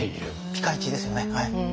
ピカイチですよね。